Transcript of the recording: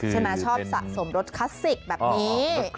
ใช่มั้ยชอบสะสมรถคลาสสิกแบบนี้